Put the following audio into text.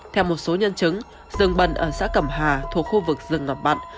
theo một số nhân chứng rừng bần ở xã cẩm hà thuộc khu vực rừng ngầm bặn